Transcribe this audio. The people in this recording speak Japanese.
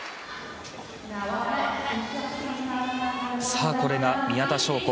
さあ、これが宮田笙子